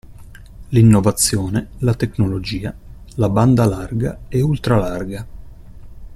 L'innovazione, la tecnologia, la banda larga e ultra-larga.